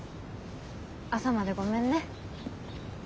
朝までごめんね。